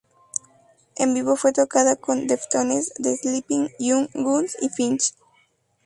En vivo fue tocada por Deftones, The Sleeping, Young Guns y Finch.